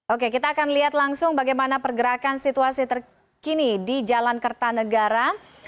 oke kita akan lihat langsung bagaimana pergerakan situasi terkini di jalan kertanegara